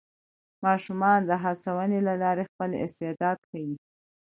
ماشومان د هڅونې له لارې خپل استعداد ښيي